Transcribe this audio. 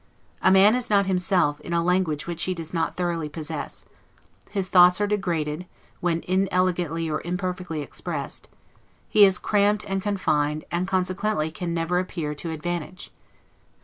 A man is not himself, in a language which he does not thoroughly possess; his thoughts are degraded, when inelegantly or imperfectly expressed; he is cramped and confined, and consequently can never appear to advantage.